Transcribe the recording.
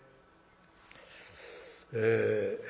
「ええ」。